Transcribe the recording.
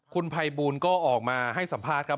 คุณภัยบูลก็ออกมาให้สัมภาษณ์ครับ